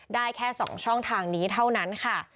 ได้แค่๒ช่องทางนี้เท่านั้นค่ะ